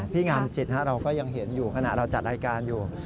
พี่งามจิตเราก็ยังเห็นอยู่ขณะเราจัดรายการอยู่